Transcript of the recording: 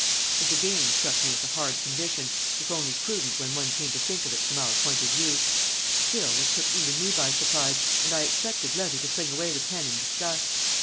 This, again, struck me as a hard condition, if only prudent when one came to think of it from our point of view; still, it took even me by surprise, and I expected Levy to fling away the pen in disgust.